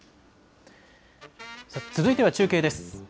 続いては中継です。